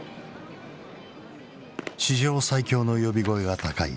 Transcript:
史上最強の呼び声が高い